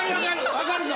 分かるぞ！